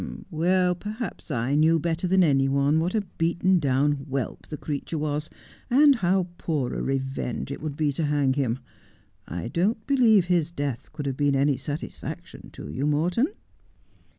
'Perhaps I knew better than any one what a beaten down whelp the creature was, and how poor a revenge it would be to hang him. I don't believe his death could have been any satis faction to you, Morton.'